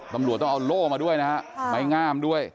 ตำรวจต้องเอาโล่มาด้วยนะฮะไม้งามด้วย